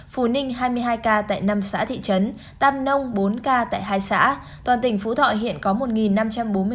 phú ninh hai mươi hai ca tại năm xã thị trấn tam nông bốn ca tại hai xã toàn tỉnh phú thọ hiện có một năm trăm bốn mươi ca